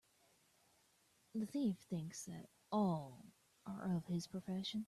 The thief thinks that all are of his profession